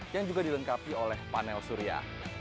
yang juga dilengkapi oleh panel surya